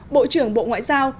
bộ trưởng bộ ngoại giao